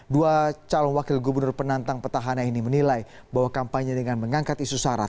dua calon wakil gubernur penantang petahana ini menilai bahwa kampanye dengan mengangkat isu syarat